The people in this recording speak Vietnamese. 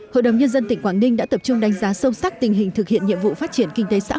hội đồng nhân dân tỉnh quảng ninh đã tập trung đánh giá sâu sắc tình hình thực hiện nhiệm vụ phát triển kinh tế xã hội